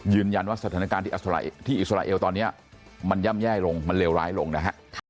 ยืนยันว่าสถานการณ์ที่อิสราเอลตอนนี้มันย่ำแย่ลงมันเลวร้ายลงนะฮะ